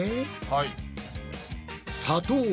はい。